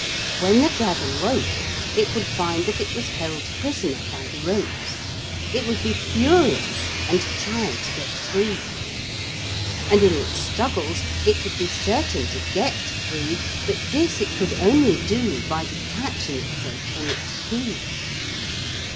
When the dragon woke it would find that it was held prisoner by the ropes. It would be furious and try to get free. And in its struggles it would be certain to get free, but this it could only do by detaching itself from its key.